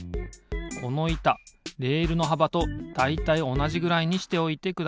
このいたレールのはばとだいたいおなじぐらいにしておいてください。